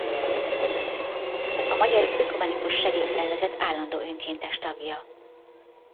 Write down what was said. A Magyar Ökumenikus Segélyszervezet állandó önkéntes tagja.